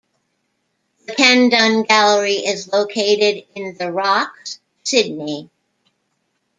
The Ken Done Gallery is located in The Rocks, Sydney.